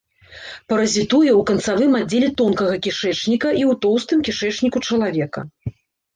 Паразітуе ў канцавым аддзеле тонкага кішэчніка і ў тоўстым кішэчніку чалавека.